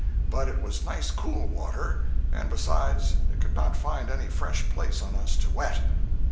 But it was nice cool water, and besides it could not find any fresh place on us to wet.